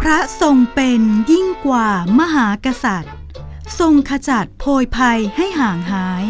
พระทรงเป็นยิ่งกว่ามหากษัตริย์ทรงขจัดโพยภัยให้ห่างหาย